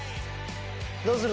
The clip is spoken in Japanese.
どうする？